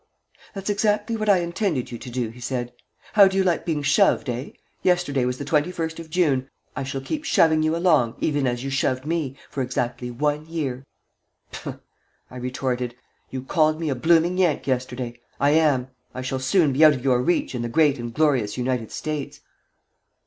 "That's exactly what I intended you to do," he said. "How do you like being shoved, eh? Yesterday was the 21st of June. I shall keep shoving you along, even as you shoved me, for exactly one year." "Humph!" I retorted. "You called me a blooming Yank yesterday. I am. I shall soon be out of your reach in the great and glorious United States."